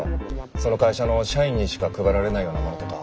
その会社の社員にしか配られないような物とか。